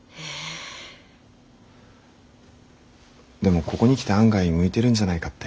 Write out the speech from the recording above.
でもここに来て案外向いてるんじゃないかって。